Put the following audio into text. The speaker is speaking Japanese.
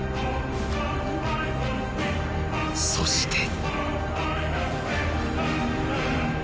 そして。